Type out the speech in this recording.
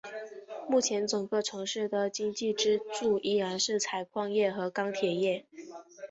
目前整个城市的经济支柱依然是采矿业和钢铁业。